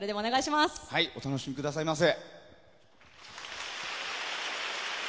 お楽しみくださいませ。